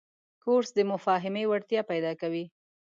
کورس د مفاهمې وړتیا پیدا کوي.